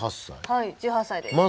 はい１８歳です。